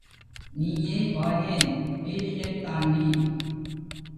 நீயே வாயேன், வேலியைத் தாண்டி!